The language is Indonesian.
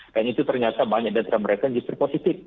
dan itu ternyata banyaknya dari mereka justru positif